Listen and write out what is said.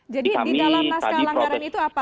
jadi di dalam naskah pelanggaran itu apa